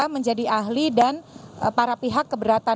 menjadi ahli dan para pihak keberatan